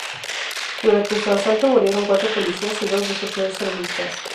Durante su asalto murieron cuatro policías y dos de sus reservistas.